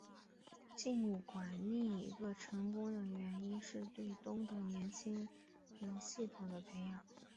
尽管另外一个成功的原因是对东德年轻人的系统培养。